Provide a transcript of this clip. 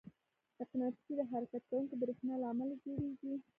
مقناطیس د حرکت کوونکي برېښنا له امله جوړېږي.